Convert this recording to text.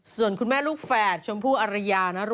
ส่วนคุณแม่ลูกแฝดชมพู่อรยานะ